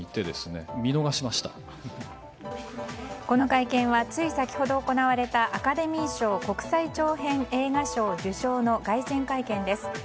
この会見はつい先ほど行われたアカデミー賞国際長編映画賞受賞の凱旋会見です。